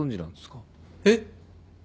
えっ？